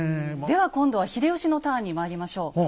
では今度は秀吉のターンにまいりましょう。